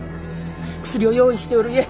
薬を用意しておるゆえ。